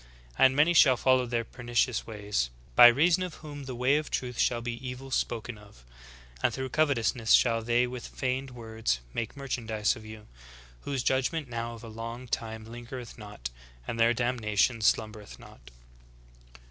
And many shall follow their pernicious ways, by reason of whom the way of truth shall be evil spoken of. And through covetousness shall they with feigned words make merchandise of you; whose judgment now of a long time lingereth not, and their damnation slumbereth not.'"